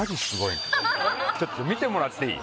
ちょっと見てもらっていい？